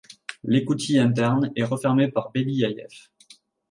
L'écoutille interne est refermée par Beliaïev.